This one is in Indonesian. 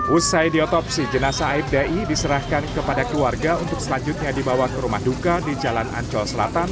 usai diotopsi jenazah aibda i diserahkan kepada keluarga untuk selanjutnya dibawa ke rumah duka di jalan ancol selatan